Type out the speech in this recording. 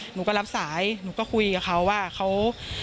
หนูก็รับสายหนูก็คุยกับเขาว่าเขา